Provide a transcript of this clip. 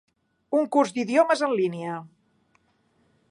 Un curs d'idiomes en línia.